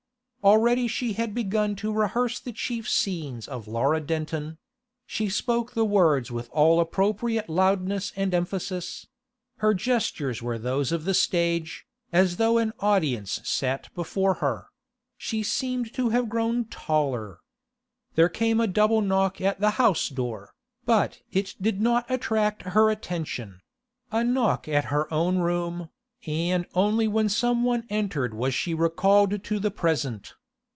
Already she had begun to rehearse the chief scenes of Laura Denton; she spoke the words with all appropriate loudness and emphasis; her gestures were those of the stage, as though an audience sat before her; she seemed to have grown taller. There came a double knock at the house door, but it did not attract her attention; a knock at her own room, and only when some one entered was she recalled to the present.